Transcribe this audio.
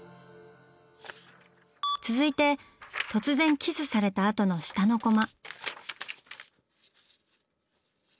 続いて突然キスされたあとの下のコマ。